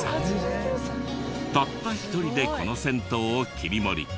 たった一人でこの銭湯を切り盛り。